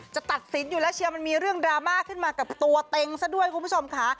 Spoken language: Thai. ตัดสินอยู่แล้วเชียร์มันมีเรื่องดราม่าขึ้นมากับตัวเต็งซะด้วยคุณผู้ชมค่ะ